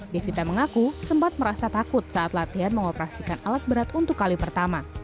devita mengaku sempat merasa takut saat latihan mengoperasikan alat berat untuk kali pertama